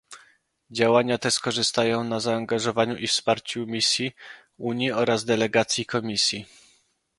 Działania te skorzystają na zaangażowaniu i wsparciu misji Unii oraz delegacji Komisji